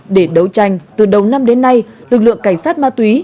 để đấu tranh từ đầu năm đến nay lực lượng cảnh sát ma túy